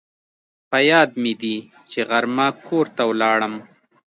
په یاد مې دي چې غرمه کور ته ولاړم